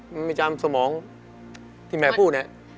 มันไม่จำสมองที่แหม่พูด